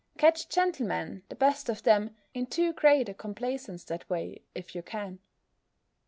Catch gentlemen, the best of them, in too great a complaisance that way, if you can.